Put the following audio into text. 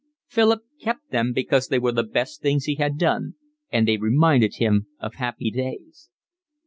Philip kept them because they were the best things he had done, and they reminded him of happy days.